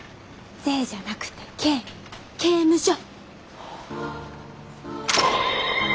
税じゃなくて刑刑務所。